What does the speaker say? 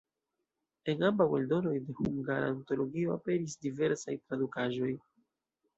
En ambaŭ eldonoj de Hungara Antologio aperis diversaj tradukaĵoj.